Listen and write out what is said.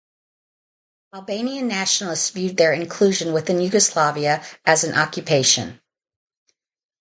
Albanian nationalists viewed their inclusion within Yugoslavia as an occupation.